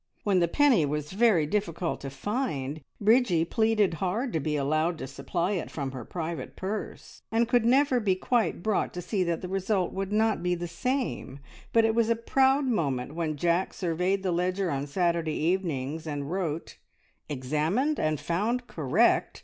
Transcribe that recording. When the penny was very difficult to find, Bridgie pleaded hard to be allowed to supply it from her private purse, and could never be quite brought to see that the result would not be the same, but it was a proud moment when Jack surveyed the ledger on Saturday evenings and wrote, "Examined, and found correct!"